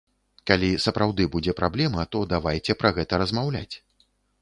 Калі сапраўды будзе праблема, то давайце пра гэта размаўляць.